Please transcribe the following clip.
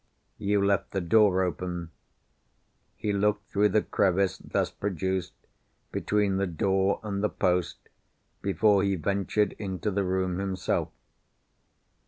You left the door open. He looked through the crevice thus produced, between the door and the post, before he ventured into the room himself.